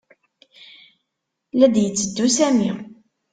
La d-yetteddu Sami.